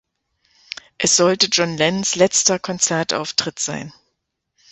Es sollte John Lennons letzter Konzertauftritt sein.